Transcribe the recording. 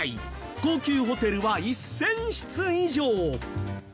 高級ホテルは１０００室以上。